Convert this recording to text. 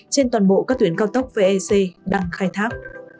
trên toàn bộ các tuyến cao tốc vec đang khai thác